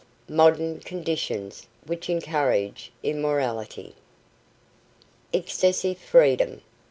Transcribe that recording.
_ MODERN CONDITIONS WHICH ENCOURAGE IMMORALITY _Excessive Freedom.